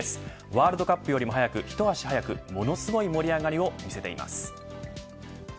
ワールドカップよりも早く一足早くものすごい盛り上がりを見せています。